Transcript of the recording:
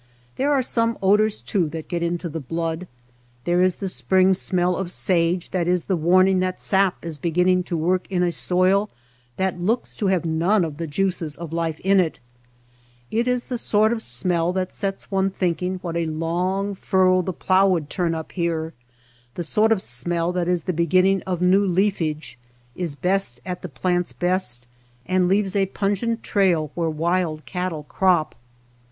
There are some odors, too, that get into the blood. There 158 THE MESA TRAIL is the spring smell of sage that is the warning that sap is beginning to work in a soil that looks to have none of the juices of life in it ; it is the sort of smell that sets one thinking what a long furrow the plough would turn up here, the sort of smell that is the beginning of new leafage, is best at the plant's best, and leaves a pun gent trail where wild cattle crop.